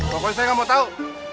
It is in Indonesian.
pokoknya saya nggak mau tahu